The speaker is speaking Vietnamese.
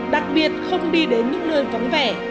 đặc biệt không đi đến những nơi vắng vẻ